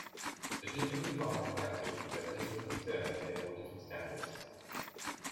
The different environmental activities have different concerns and therefore different standards.